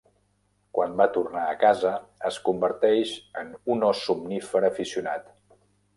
Quan va tornar a casa, es converteix en un ós somnífer aficionat.